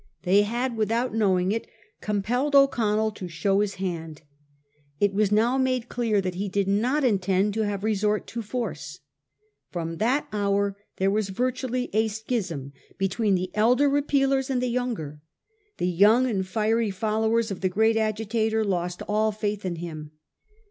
They had without knowing it compelled O'Connell to show his hand. It was now made clear that he did not intend to have resort to force. From that hour there was virtually a schism between the elder Repealers and the younger. The young and fiery followers of the great agitator lost all faith in him.